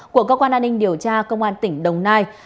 của cơ quan an ninh điều tra công an tỉnh đồng nai